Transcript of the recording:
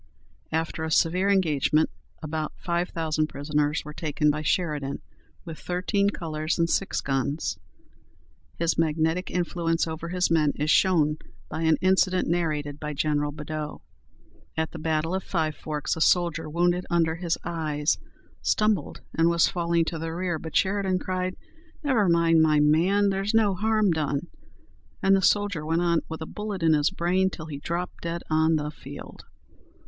After a severe engagement about five thousand prisoners were taken by Sheridan, with thirteen colors and six guns. His magnetic influence over his men is shown by an incident narrated by General Badeau. "At the battle of Five Forks, a soldier, wounded under his eyes, stumbled and was falling to the rear, but Sheridan cried, 'Never mind, my man; there's no harm done!' and the soldier went on with a bullet in his brain, till he dropped dead on the field."